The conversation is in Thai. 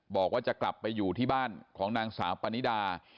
บอกว่าจะกลับไปอยู่ที่บ้านของนางสาวปานิดา